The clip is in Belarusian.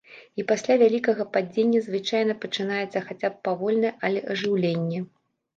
І пасля вялікага падзення звычайна пачынаецца хаця б павольнае, але ажыўленне.